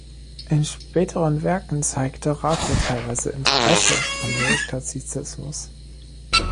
In späteren Werken zeigte Rakow teilweise Interesse am Neoklassizismus.